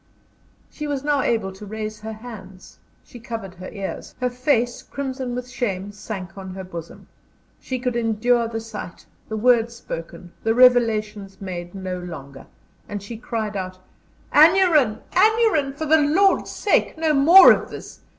She was now able to raise her hands she covered her ears; her face, crimson with shame, sank on her bosom. She could endure the sight, the words spoken, the revelations made, no longer, and she cried out: "Aneurin! Aneurin! for the Lord's sake, no more of this!